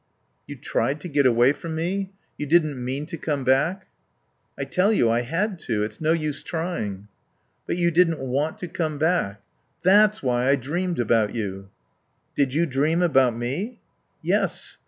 "You tried to get away from me You didn't mean to come back." "I tell you I had to. It's no use trying." "But you didn't want to come back.... That's why I dreamed about you." "Did you dream about me?" "Yes.